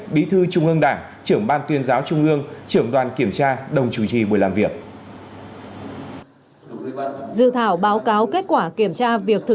bí thư trung ương đảng trưởng ban tuyên giáo trung ương trưởng đoàn kiểm tra đồng chủ trì buổi làm việc